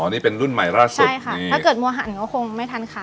นี่เป็นรุ่นใหม่ราชใช่ค่ะถ้าเกิดมัหันก็คงไม่ทันค่ะ